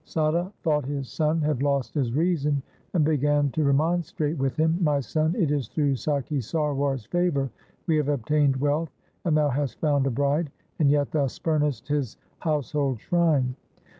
Sada thought his son had lost his reason, and began to remonstrate with him, ' My son, it is through Sakhi Sarwar's favour we have obtained wealth and thou hast found a bride, and yet thou spurnest his household shrine.'